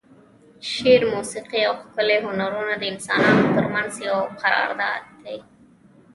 شعر، موسیقي او ښکلي هنرونه د انسانانو ترمنځ یو قرارداد دی.